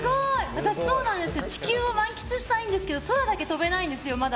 私、地球を満喫したいんですけど空だけ飛べないんですよ、まだ。